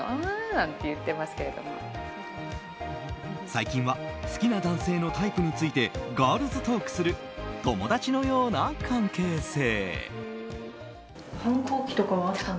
最近は好きな男性のタイプについてガールズトークする友達のような関係性。